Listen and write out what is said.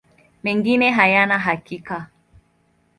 Mengine hayana hakika.